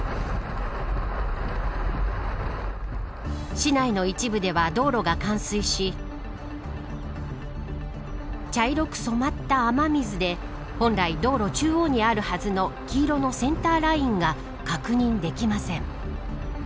市内の一部では道路が冠水し茶色く染まった雨水で本来、道路中央にあるはずの黄色のセンターラインが確認できません。